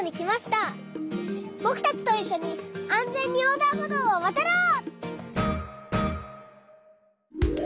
ぼくたちといっしょにあんぜんにおうだんほどうをわたろう！